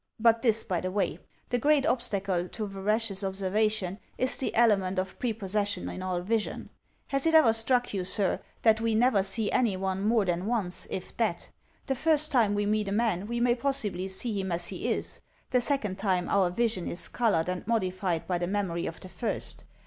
But this by the way. The great obstacle to veracious observation is the element of prepossession in all vision. Has it ever struck you, sir, that we never see anyone more than once, if that? The first time we meet a man we may possibly see him as he is; the second time our vision is colored and modified by the memory of the first.